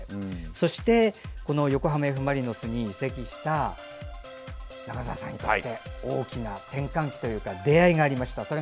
そしてこの横浜Ｆ・マリノスに移籍した中澤さんにとって大きな転換期というか出会いがありました。